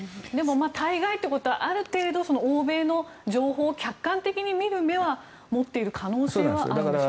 でも対外ということはある程度、欧米の情報を客観的に見る目は持っている可能性はあるんでしょうか？